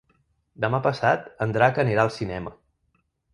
Demà passat en Drac anirà al cinema.